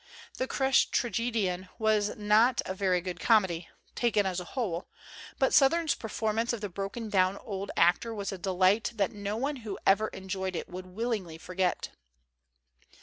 The * Crushed Tragedian' was not a very good comedy, taken as a whole; but Sothern's per formance of the broken down old actor was a delight that no one who ever enjoyed it would willingly forget.